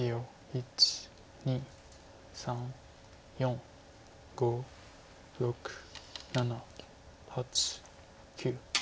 １２３４５６７８９。